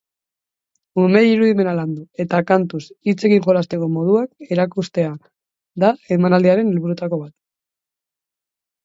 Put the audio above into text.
Umeei irudimena landu eta kantuz hitzekin jolasteko moduak erakustea da emanaldiaren helburuetako bat.